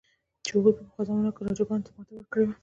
چې هغوی په پخوا زمانو کې راجاګانو ته ماته ورکړې وه.